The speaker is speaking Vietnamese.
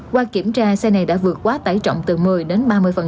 qua kiểm tra xe này đã vượt quá tải trọng từ một mươi đến ba mươi